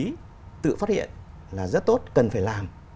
cái việc tự phát hiện là rất tốt cần phải làm